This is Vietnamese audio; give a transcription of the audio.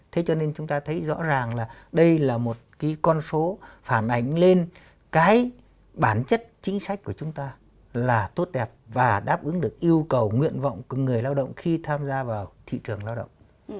thế cho nên chúng ta thấy rõ ràng là đây là một cái con số phản ảnh lên cái bản chất chính sách của chúng ta là tốt đẹp và đáp ứng được yêu cầu nguyện vọng của người lao động khi tham gia vào thị trường lao động